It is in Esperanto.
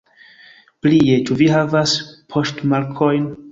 Plie, ĉu vi havas poŝtmarkojn?